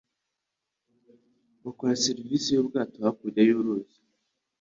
Bakora serivisi yubwato hakurya y'uruzi